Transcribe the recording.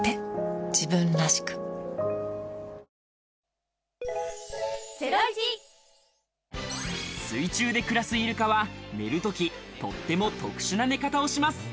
わかるぞ水中で暮らすイルカは、寝るとき、とっても特殊な寝方をします。